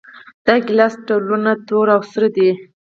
د ګیلاس ډولونه تور او سره دي.